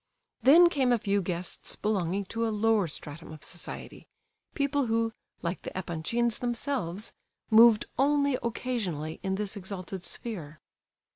Then came a few guests belonging to a lower stratum of society—people who, like the Epanchins themselves, moved only occasionally in this exalted sphere.